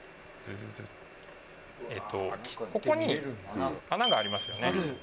ここに穴がありますよね。